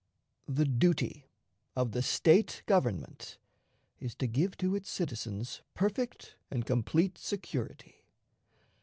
The duty of the State government is to give to its citizens perfect and complete security.